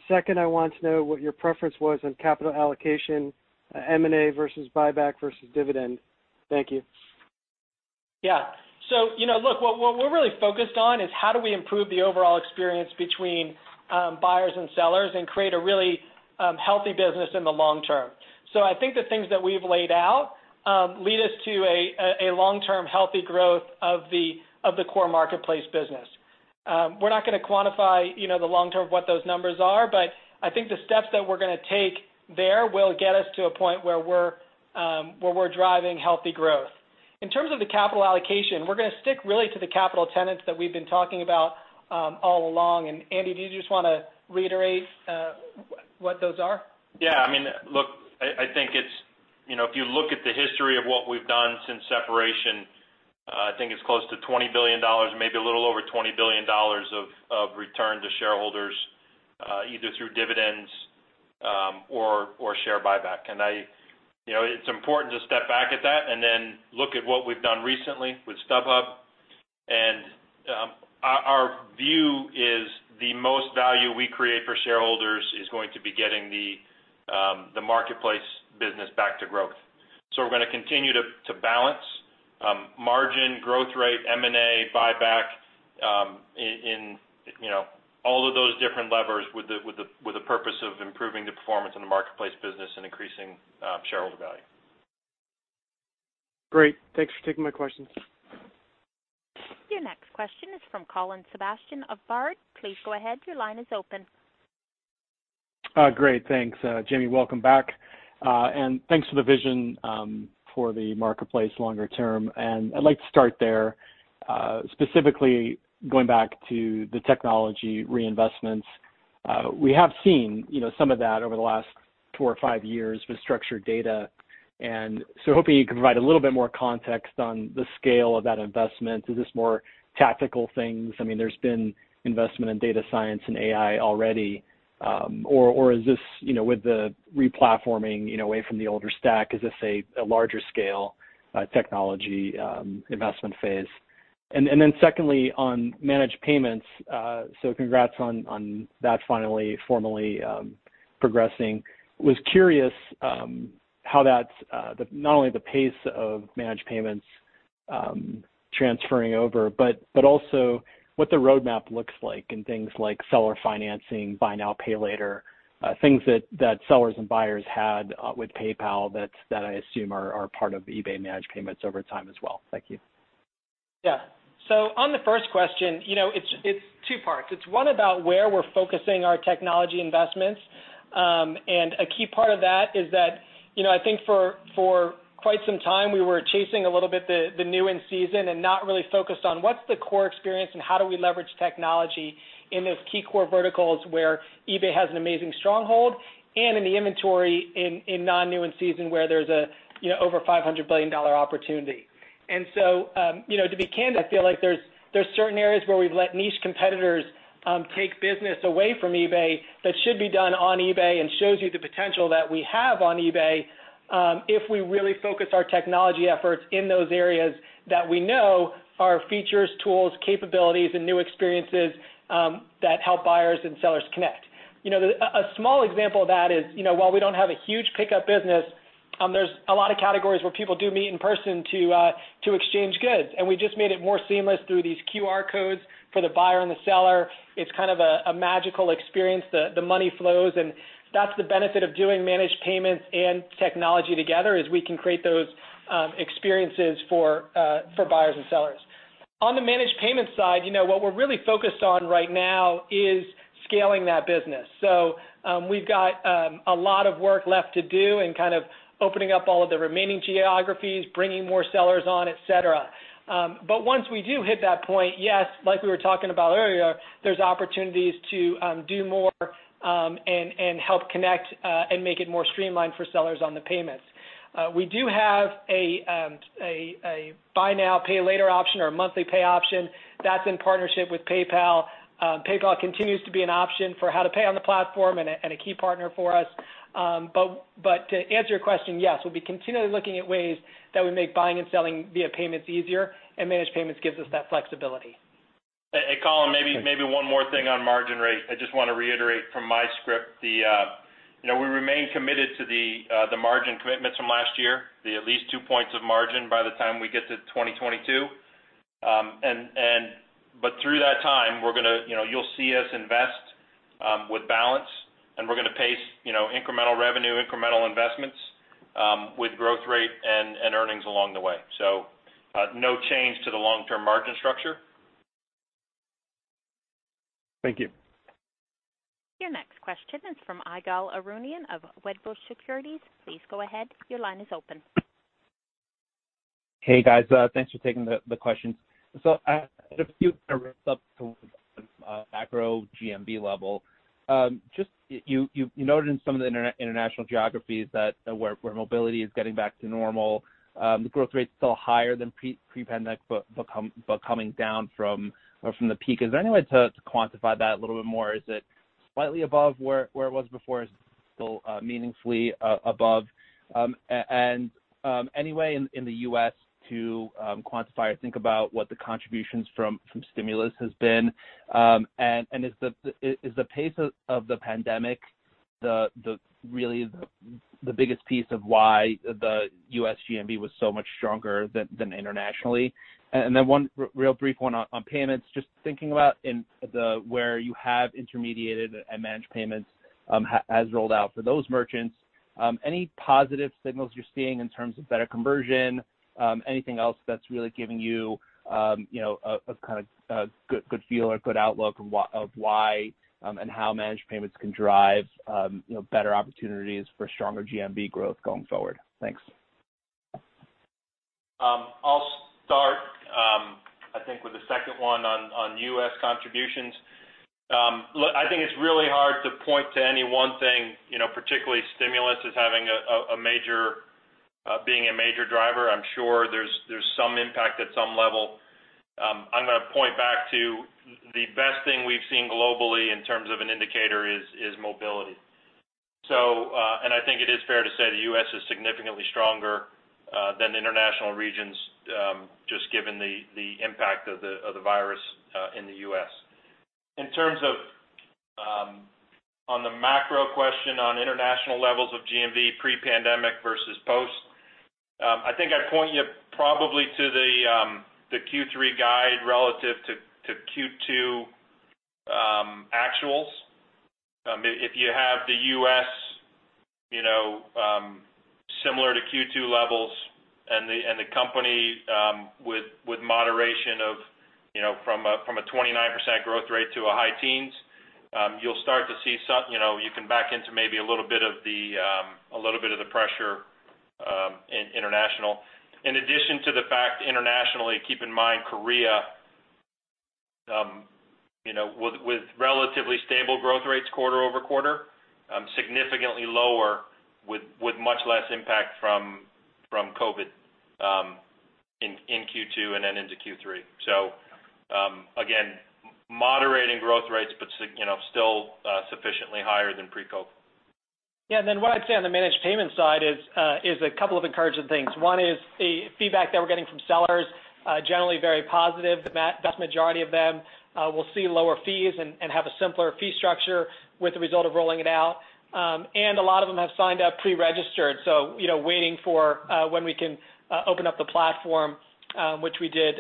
Second, I want to know what your preference was on capital allocation, M&A versus buyback versus dividend. Thank you. Yeah. You know, look, what we're really focused on is how do we improve the overall experience between buyers and sellers and create a really healthy business in the long-term. I think the things that we've laid out lead us to a long-term healthy growth of the core marketplace business. We're not gonna quantify, you know, the long term what those numbers are, but I think the steps that we're gonna take there will get us to a point where we're driving healthy growth. In terms of the capital allocation, we're gonna stick really to the capital tenets that we've been talking about all along. Andy, do you just wanna reiterate what those are? I mean, look, I think it's, you know, if you look at the history of what we've done since separation, I think it's close to $20 billion, maybe a little over $20 billion of return to shareholders, either through dividends or share buyback. I You know, it's important to step back at that and then look at what we've done recently with StubHub. Our view is the most value we create for shareholders is going to be getting the marketplace business back to growth. We're gonna continue to balance margin, growth rate, M&A, buyback, you know, all of those different levers with the purpose of improving the performance in the marketplace business and increasing shareholder value. Great. Thanks for taking my questions. Your next question is from Colin Sebastian of Baird. Please go ahead, your line is open. Great. Thanks. Jamie, welcome back. Thanks for the vision for the marketplace longer term. I'd like to start there, specifically going back to the technology reinvestments. We have seen, you know, some of that over the last four or five years with structured data, hoping you can provide a little bit more context on the scale of that investment. Is this more tactical things? I mean, there's been investment in data science and AI already. Or is this, you know, with the replatforming, you know, away from the older stack, is this a larger scale technology investment phase? Secondly, on Managed Payments, congrats on that finally formally progressing. was curious how that's the not only the pace of Managed Payments transferring over, but also what the roadmap looks like in things like seller financing, buy now, pay later, things that sellers and buyers had with PayPal that I assume are part of eBay Managed Payments over time as well. Thank you. On the first question, you know, it's two parts. It's one about where we're focusing our technology investments. A key part of that is that, you know, I think for quite some time, we were chasing a little bit the new in-season and not really focused on what's the core experience and how do we leverage technology in those key core verticals where eBay has an amazing stronghold and in the inventory in non-new in-season where there's a, you know, over $500 billion opportunity. you know, to be candid, I feel like there's certain areas where we've let niche competitors take business away from eBay that should be done on eBay and shows you the potential that we have on eBay if we really focus our technology efforts in those areas that we know are features, tools, capabilities, and new experiences that help buyers and sellers connect. You know, a small example of that is, you know, while we don't have a huge pickup business, there's a lot of categories where people do meet in person to exchange goods, and we just made it more seamless through these QR codes for the buyer and the seller. It's kind of a magical experience. The money flows, and that's the benefit of doing Managed Payments and technology together, is we can create those experiences for buyers and sellers. On the Managed Payments side, you know, what we're really focused on right now is scaling that business. We've got a lot of work left to do in kind of opening up all of the remaining geographies, bringing more sellers on, et cetera. But once we do hit that point, yes, like we were talking about earlier, there's opportunities to do more and help connect and make it more streamlined for sellers on the payments. We do have a buy now, pay later option or a monthly pay option. That's in partnership with PayPal. PayPal continues to be an option for how to pay on the platform and a key partner for us. To answer your question, yes, we'll be continually looking at ways that we make buying and selling via payments easier, and Managed Payments gives us that flexibility. Colin, maybe one more thing on margin rate. I just wanna reiterate from my script the, you know, we remain committed to the margin commitments from last year, the at least 2 percentage points of margin by the time we get to 2022. Through that time, we're gonna, you know, you'll see us invest with balance, we're gonna pace, you know, incremental revenue, incremental investments with growth rate and earnings along the way. No change to the long-term margin structure. Thank you. Your next question is from Ygal Arounian of Wedbush Securities. Please go ahead. Your line is open. Guys, thanks for taking the questions. Just a few sort of sub-sort of macro GMV level. Just you noted in some of the international geographies that where mobility is getting back to normal, the growth rate's still higher than pre-pandemic but coming down from the peak. Is there any way to quantify that a little bit more? Is it slightly above where it was before? Is it still meaningfully above? And any way in the U.S. to quantify or think about what the contributions from stimulus has been? And is the pace of the pandemic the really the biggest piece of why the U.S. GMV was so much stronger than internationally? One real brief one on payments. Just thinking about where you have intermediated and Managed Payments has rolled out for those merchants, any positive signals you are seeing in terms of better conversion? Anything else that is really giving you know, a kind of a good feel or good outlook of why, of why, and how Managed Payments can drive, you know, better opportunities for stronger GMV growth going forward? Thanks. I'll start, I think with the second one on U.S. contributions. Look, I think it's really hard to point to any one thing, you know, particularly stimulus as having a, a major, being a major driver. I'm sure there's some impact at some level. I'm gonna point back to the best thing we've seen globally in terms of an indicator is mobility. And I think it is fair to say the U.S. is significantly stronger than international regions, just given the impact of the, of the virus in the U.S. In terms of, on the macro question on international levels of GMV pre-pandemic versus post, I think I'd point you probably to the Q3 guide relative to Q2 actuals. If you have the U.S., similar to Q2 levels and the company, with moderation of from a 29% growth rate to a high teens, you'll start to see some, you can back into maybe a little bit of the pressure in international. In addition to the fact internationally, keep in mind Korea, with relatively stable growth rates quarter-over-quarter, significantly lower with much less impact from COVID in Q2 and then into Q3. Again, moderating growth rates but sufficiently higher than pre-COVID. Yeah, what I'd say on the Managed Payments side is a couple of encouraging things. One is the feedback that we're getting from sellers, generally very positive. The vast majority of them will see lower fees and have a simpler fee structure with the result of rolling it out. A lot of them have signed up pre-registered, so, you know, waiting for when we can open up the platform, which we did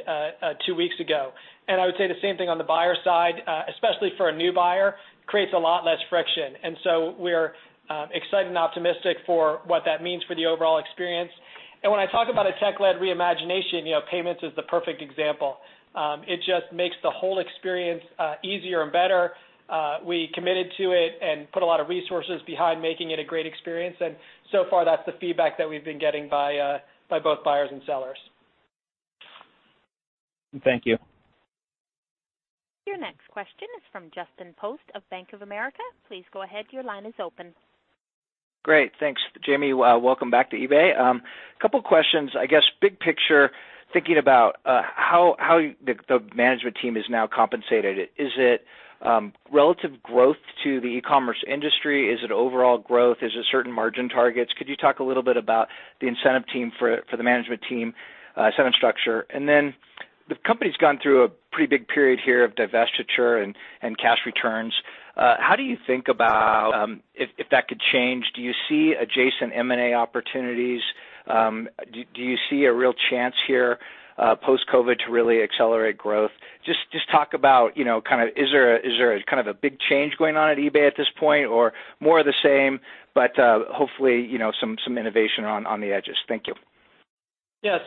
two weeks ago. I would say the same thing on the buyer side, especially for a new buyer, creates a lot less friction. We're excited and optimistic for what that means for the overall experience. When I talk about a tech-led reimagination, you know, payments is the perfect example. It just makes the whole experience easier and better. We committed to it and put a lot of resources behind making it a great experience. So far, that's the feedback that we've been getting by both buyers and sellers. Thank you. Your next question is from Justin Post of Bank of America. Please go ahead, your line is open. Great, thanks. Jamie, welcome back to eBay. Couple questions. I guess big picture, thinking about how the management team is now compensated. Is it relative growth to the e-commerce industry? Is it overall growth? Is it certain margin targets? Could you talk a little bit about the incentive team for the management team incentive structure? The company's gone through a pretty big period here of divestiture and cash returns. How do you think about if that could change? Do you see adjacent M&A opportunities? Do you see a real chance here, post-COVID to really accelerate growth? Just talk about, you know, kind of is there a kind of a big change going on at eBay at this point or more of the same, but hopefully, you know, some innovation on the edges? Thank you. Yeah.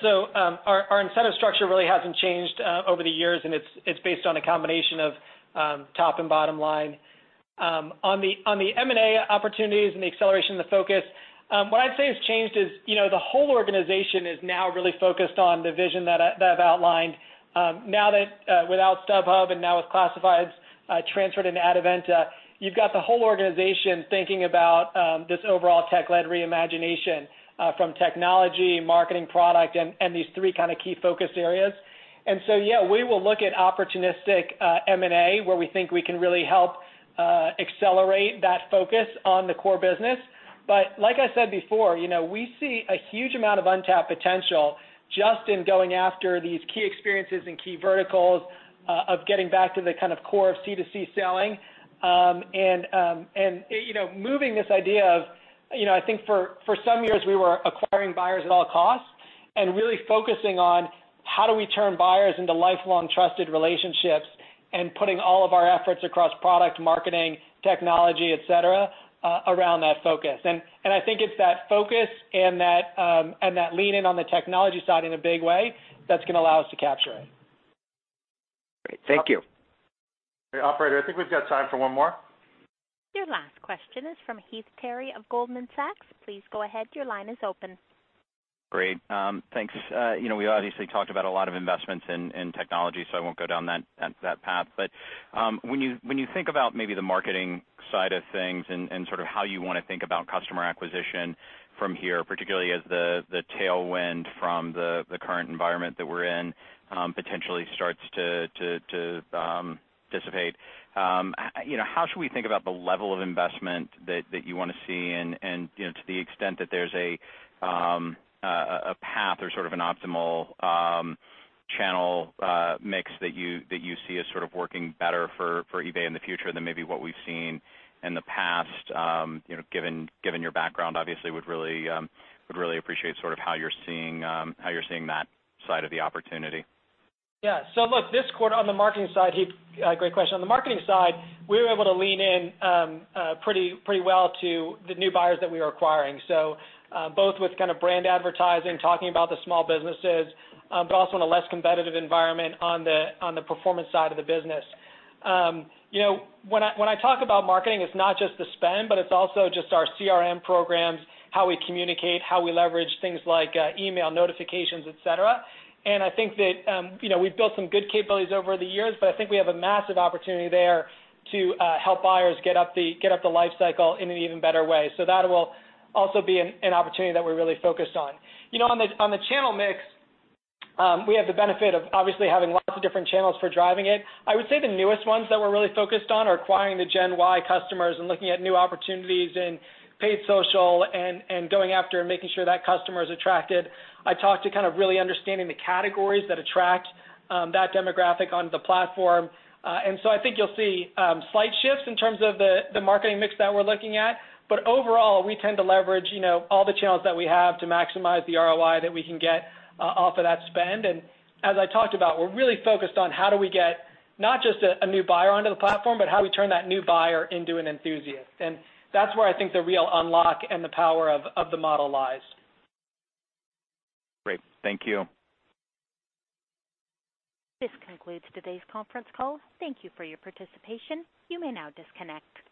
Our incentive structure really hasn't changed over the years, and it's based on a combination of top and bottom line. On the M&A opportunities and the acceleration of the focus, what I'd say has changed is, you know, the whole organization is now really focused on the vision that I've outlined. Now that, without StubHub and now with Classifieds transferred into Adevinta, you've got the whole organization thinking about this overall tech-led reimagination from technology, marketing, product, and these three kind of key focus areas. Yeah, we will look at opportunistic M&A, where we think we can really help accelerate that focus on the core business. Like I said before, you know, we see a huge amount of untapped potential just in going after these key experiences and key verticals, of getting back to the kind of core of C2C selling. And, you know, moving this idea of, you know, I think for some years, we were acquiring buyers at all costs and really focusing on how do we turn buyers into lifelong trusted relationships and putting all of our efforts across product, marketing, technology, et cetera, around that focus. And I think it's that focus and that, and that lean in on the technology side in a big way that's gonna allow us to capture it. Great. Thank you. Okay. Operator, I think we've got time for one more. Your last question is from Heath Terry of Goldman Sachs. Please go ahead. Your line is open. Great. Thanks. You know, we obviously talked about a lot of investments in technology, so I won't go down that path. When you think about maybe the marketing side of things and sort of how you wanna think about customer acquisition from here, particularly as the tailwind from the current environment that we're in, potentially starts to dissipate, you know, how should we think about the level of investment that you wanna see and, you know, to the extent that there's a path or sort of an optimal channel mix that you see as sort of working better for eBay in the future than maybe what we've seen in the past, you know, given your background, obviously would really appreciate sort of how you're seeing that side of the opportunity. Yeah. Look, this quarter on the marketing side, Heath, great question. On the marketing side, we were able to lean in pretty well to the new buyers that we are acquiring. Both with kind of brand advertising, talking about the small businesses, but also in a less competitive environment on the performance side of the business. You know, when I talk about marketing, it's not just the spend, but it's also just our CRM programs, how we communicate, how we leverage things like email notifications, et cetera. I think that, you know, we've built some good capabilities over the years, but I think we have a massive opportunity there to help buyers get up the life cycle in an even better way. That will also be an opportunity that we're really focused on. You know, on the channel mix, we have the benefit of obviously having lots of different channels for driving it. I would say the newest ones that we're really focused on are acquiring the Gen Y customers and looking at new opportunities in paid social and going after and making sure that customer is attracted. I talked to kind of really understanding the categories that attract that demographic onto the platform. I think you'll see slight shifts in terms of the marketing mix that we're looking at. Overall, we tend to leverage, you know, all the channels that we have to maximize the ROI that we can get off of that spend. As I talked about, we're really focused on how do we get not just a new buyer onto the platform, but how do we turn that new buyer into an enthusiast. That's where I think the real unlock and the power of the model lies. Great. Thank you. This concludes today's conference call. Thank you for your participation. You may now disconnect.